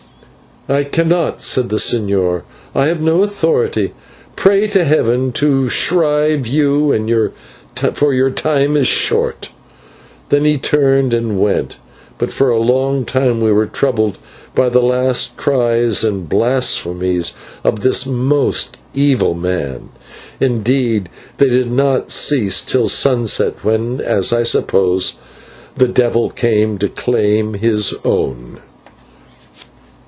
"I cannot," said the señor; "I have no authority. Pray to Heaven to shrive you, for your time is short." Then he turned and went, but for a long time we were troubled by the last cries and blasphemies of this most evil man; indeed they did not cease till sunset, when the devil came to claim his own.